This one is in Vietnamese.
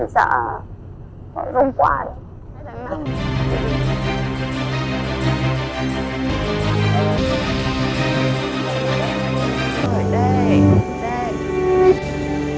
chị sợ không quay